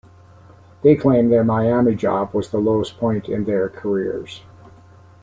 They claim their Miami job was the lowest point in their careers.